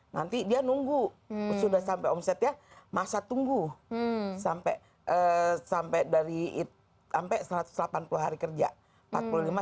nanti dia nunggu sudah sampai omsetnya masa tunggu sampai satu ratus delapan puluh hari kerja